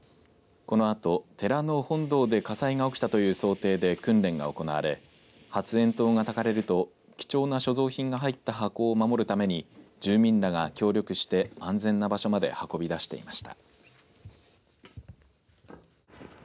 このあと寺の本堂で火災が起きたという想定で訓練が行われ発煙筒がたかれると貴重な貯蔵品が入った箱を守るために住民らが協力して安全な場所まで運び出していました。